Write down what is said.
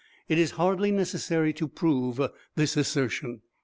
It is hardly necessary to prove this assertion.